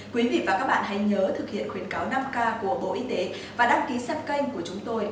quý vị và các bạn hãy nhớ thực hiện khuyến cáo năm k của bộ y tế và đăng ký sắp canh của chúng tôi